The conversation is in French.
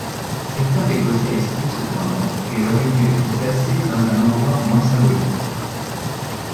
Certains Écossais estiment cependant qu'elle aurait dû être placée dans un endroit moins symbolique.